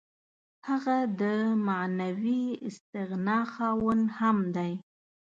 هغه د معنوي استغنا خاوند هم دی.